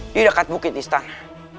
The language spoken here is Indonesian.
di dekat bukit istana